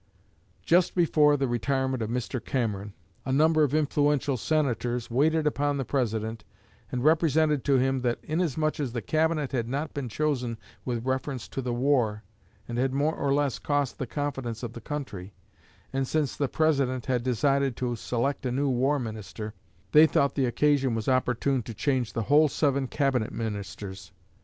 Just before the retirement of Mr. Cameron, a number of influential Senators waited upon the President and represented to him that inasmuch as the Cabinet had not been chosen with reference to the war and had more or less lost the confidence of the country, and since the President had decided to select a new war minister, they thought the occasion was opportune to change the whole seven Cabinet ministers.